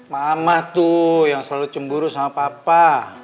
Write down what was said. mama tuh yang selalu cemburu sama papa